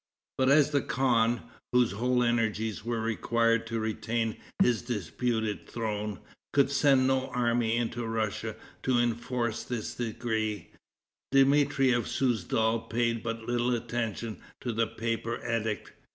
But as the khan, whose whole energies were required to retain his disputed throne, could send no army into Russia to enforce this decree, Dmitri of Souzdal paid but little attention to the paper edict.